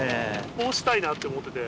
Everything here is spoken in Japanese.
こうしたいなって思ってて。